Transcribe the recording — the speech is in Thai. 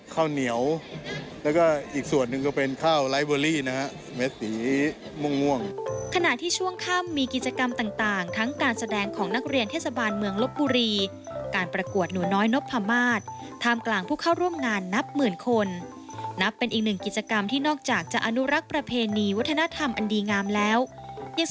ข้าวเหนียวแล้วก็อีกส่วนหนึ่งก็เป็นข้าวไลฟ์เวอรี่นะฮะเม็ดสีม่วงขณะที่ช่วงค่ำมีกิจกรรมต่างทั้งการแสดงของนักเรียนเทศบาลเมืองลบบุรีการประกวดหนูน้อยนพมาศท่ามกลางผู้เข้าร่วมงานนับหมื่นคนนับเป็นอีกหนึ่งกิจกรรมที่นอกจากจะอนุรักษ์ประเพณีวัฒนธรรมอันดีงามแล้วยัง